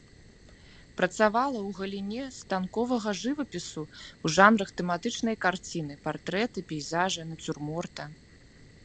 Працавала ў галіне станковага жывапісу ў жанрах тэматычнай карціны, партрэта, пейзажа, нацюрморта.